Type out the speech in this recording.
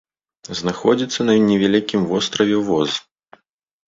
Знаходзіцца на невялікім востраве воз.